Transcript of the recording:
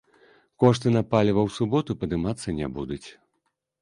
Кошты на паліва ў суботу падымацца не будуць.